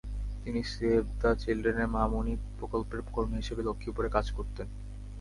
তিনি save the চিলড্রেনের মা-মণি প্রকল্পের কর্মী হিসেবে লক্ষ্মীপুরে কাজ করতেন।